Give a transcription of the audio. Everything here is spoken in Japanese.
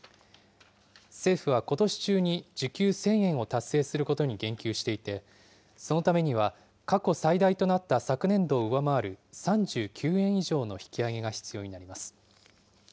政府はことし中に時給１０００円を達成することに言及していて、そのためには過去最大となった昨年度を上回る３９円以上の引き上げが必要になります。